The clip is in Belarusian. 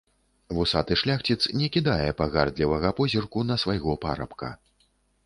Вусаты шляхціц не кідае пагардлівага позірку на свайго парабка.